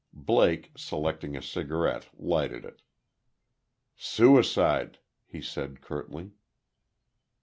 Blake, selecting a cigarette, lighted it. "Suicide," he said, curtly.